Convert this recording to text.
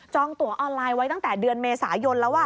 ตัวออนไลน์ไว้ตั้งแต่เดือนเมษายนแล้ว